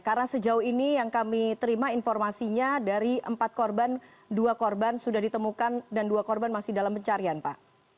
karena sejauh ini yang kami terima informasinya dari empat korban dua korban sudah ditemukan dan dua korban masih dalam pencarian pak